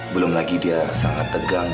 belum lagi dia sangat tegang